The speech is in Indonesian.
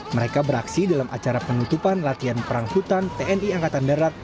mereka beraksi dalam acara penutupan latihan perang hutan tni angkatan darat